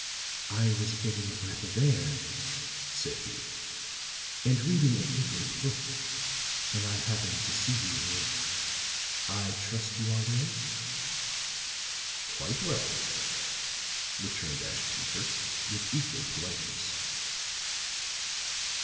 "I was getting a breath of air," said he, "and reading a favorite book, when I happened to see you here. I trust you are well?" "Quite well," returned Ashton Kirk, with equal politeness.